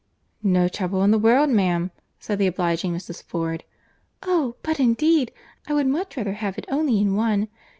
"No trouble in the world, ma'am," said the obliging Mrs. Ford. "Oh! but indeed I would much rather have it only in one.